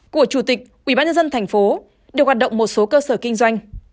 của chủ tịch ubnd tp hcm đều hoạt động một số cơ sở kinh doanh